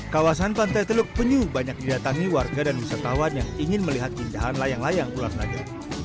kawasan pantai teluk penyu banyak didatangi warga dan wisatawan yang ingin melihat indahan layang layang ular naga